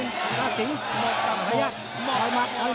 โดยระมัดโดยระมัดยัน